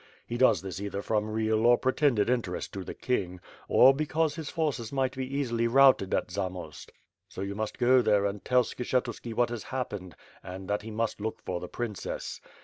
He does this either from real or pretended respect ^^ WITH FIRE ASD SWORD. to the king, or bccaufie his forces might be easily routed at Zamofst, So you must go there and tell Skshetuski what ha^ happened and that he muHt look for the princess.